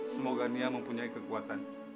semoga nia mempunyai kekuatan